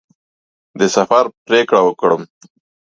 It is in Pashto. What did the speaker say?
د سفر پرېکړه وکړم.